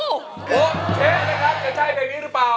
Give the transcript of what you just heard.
โปเช่จะใช้เป็นนี่หรือเปล่า